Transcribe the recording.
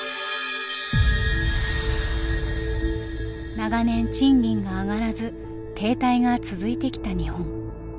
長年賃金が上がらず停滞が続いてきた日本。